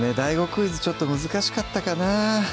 クイズちょっと難しかったかなぁ